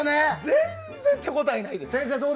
全然手応えないです。